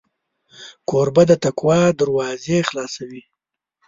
کوربه د تقوا دروازې خلاصوي.